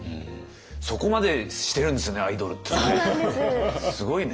そこまでしてるんですねアイドルってね。